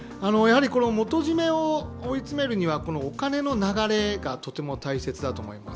元締めを追い詰めるにはお金の流れがとても大切だと思います。